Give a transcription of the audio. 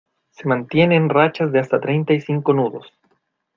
se mantiene en rachas de hasta treinta y cinco nudos.